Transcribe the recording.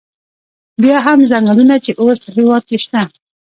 بیا هم څنګلونه چې اوس په هېواد کې شته.